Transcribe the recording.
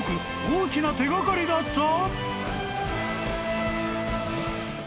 大きな手掛かりだった！？］